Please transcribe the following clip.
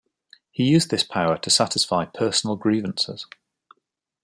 He used this power to satisfy personal grievances.